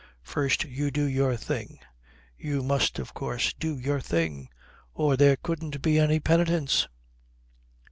First you do your thing. You must of course do your thing, or there couldn't be any penitence.